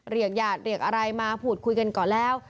เรียกญาติเรียกอะไรมาพูดคุยกันก่อนแล้ว